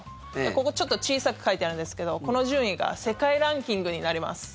ここ、ちょっと小さく書いてあるんですけどこの順位が世界ランキングになります。